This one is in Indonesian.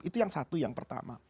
itu yang satu yang pertama